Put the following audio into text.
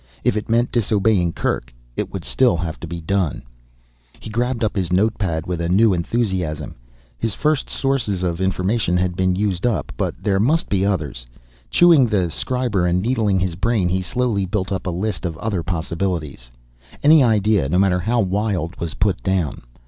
If it meant disobeying Kerk, it would still have to be done. He grabbed up his noteplate with a new enthusiasm. His first sources of information had been used up, but there must be others. Chewing the scriber and needling his brain, he slowly built up a list of other possibilities. Any idea, no matter how wild, was put down.